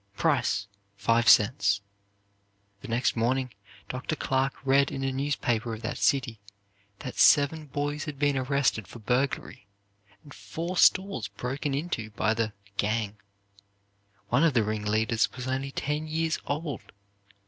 Price five cents." The next morning, Dr. Clark read in a newspaper of that city that seven boys had been arrested for burglary, and four stores broken into by the "gang." One of the ringleaders was only ten years old.